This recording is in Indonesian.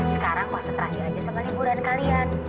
sekarang konsentrasi aja sama liburan kalian